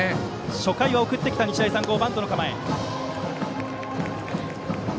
初回は送ってきた日大三高バントの構え。